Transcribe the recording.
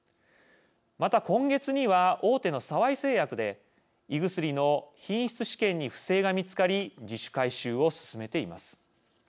また、今月には大手の沢井製薬で胃薬の品質試験に不正が見つかり自主回収を進めています。